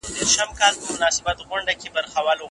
د سدوزو راتلونکي نسلونه حق نه لري.